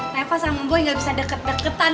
reva sama boy gak bisa deket deketan